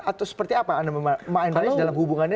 atau seperti apa anda memandang dalam hubungannya